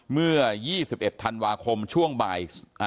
เมื่อ๒๑ธันวาคมช่วงบ่าย